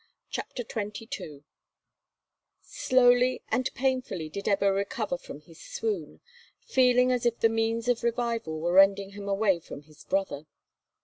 CHAPTER XXII PEACE SLOWLY and painfully did Ebbo recover from his swoon, feeling as if the means of revival were rending him away from his brother.